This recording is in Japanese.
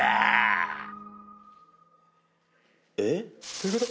どういうこと？